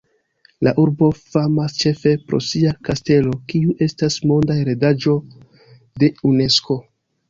La urbo famas ĉefe pro sia kastelo, kiu estas monda heredaĵo de Unesko.